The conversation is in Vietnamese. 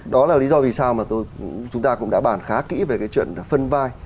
đó là lý do vì sao mà chúng ta cũng đã bàn khá kỹ về cái chuyện phân vai